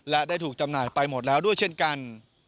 และได้ถูกจำหน่ายไปหมดแล้วด้วยเช่นกัน